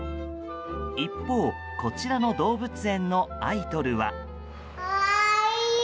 一方、こちらの動物園のアイドルは。